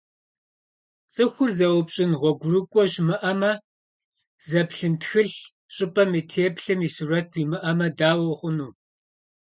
ЦӀыхур зэупщӀын гъуэгурыкӀуэ щымыӀэмэ, зэплъын тхылъ, щӀыпӀэм и теплъэм и сурэт уимыӀэмэ, дауэ хъуну?